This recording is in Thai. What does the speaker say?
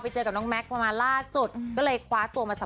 ได้เจอกับวันเฉลิมอีกคนนึง